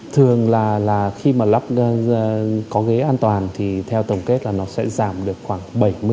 thường là khi mà lắp có ghế an toàn thì theo tổng kết là nó sẽ giảm được khoảng bảy mươi